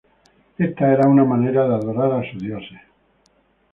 Esta era una manera de adorar a sus dioses.